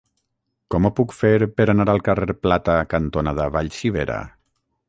Com ho puc fer per anar al carrer Plata cantonada Vallcivera?